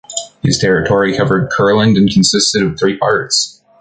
His territory covered Kurland and consisted of three parts.